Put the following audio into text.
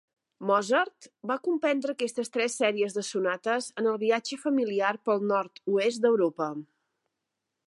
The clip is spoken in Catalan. Mozart va compondre aquestes tres sèries de sonates en el viatge familiar pel nord-oest d'Europa.